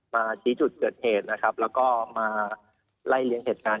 มาชี้จุดเกิดเหตุนะครับแล้วก็มาไล่เลี้ยงเหตุการณ์